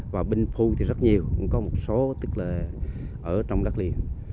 và binh phu thì rất nhiều cũng có một số tức là ở trong đất liền